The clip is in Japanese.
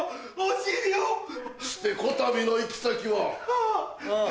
してこたびの行き先は。